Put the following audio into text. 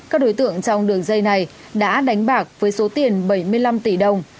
các đối tượng trong đường dây này đã đánh bạc với số tiền bảy mươi năm tỷ đồng